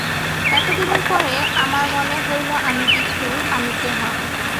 এতদিনের পরে আমার মনে হইল, আমি কিছু, আমি কেহ।